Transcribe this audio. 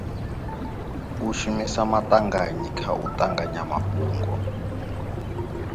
U shumisa maṱanganyi kha u ṱanganya mafhungo.